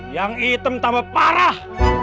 yang hitam tambah parah